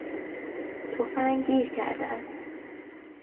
تفنگ گیر کرده است.